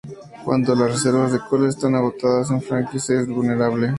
Cuando las reservas de Cola están agotadas es cuándo Franky es más vulnerable.